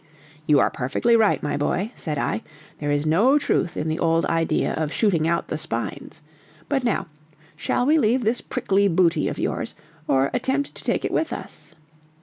"You are perfectly right, my boy," said I; "there is no truth in the old idea of shooting out the spines. But now, shall we leave this prickly booty of yours, or attempt to take it with us?"